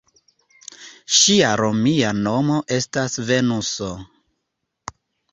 Ŝia romia nomo estas Venuso.